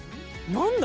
何だ？